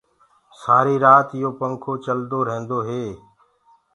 سآري رآت يو پنکو چلدو ريهندو هي